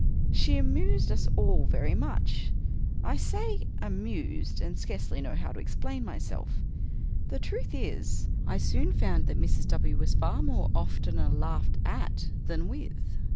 She amused us all very much. I say " amused "— and scarcely know how to explain myself. The truth is, I soon found that Mrs. W. was far oftener laughed at than zvith.